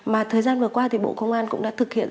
mà thời gian vừa qua thì bộ công an cũng đã thực hiện